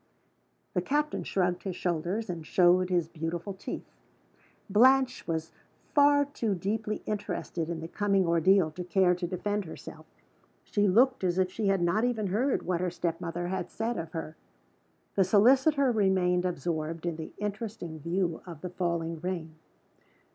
The captain shrugged his shoulders, and showed his beautiful teeth. Blanche was far too deeply interested in the coming ordeal to care to defend herself: she looked as if she had not even heard what her step mother had said of her. The solicitor remained absorbed in the interesting view of the falling rain.